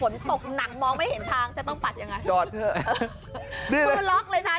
แล้วถ้าสมมติเกิดฝนตกหนัก